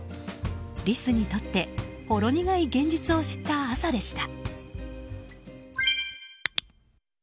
リスにとってほろ苦い現実を知った朝でした。